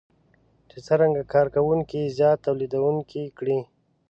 چې څرنګه کار کوونکي زیات توليدونکي کړي.